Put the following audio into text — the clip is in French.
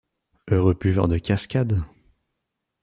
Heureux buveur de cascade!